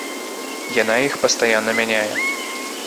Яна іх пастаянна мяняе.